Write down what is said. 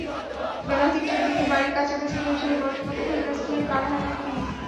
বেলা তিনটার দিকে বাড়ির কাছাকাছি পৌঁছালে বজ্রপাতে ঘটনাস্থলেই প্রাণ হারান তিনি।